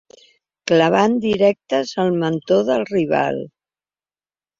Clavant directes al mentó del rival.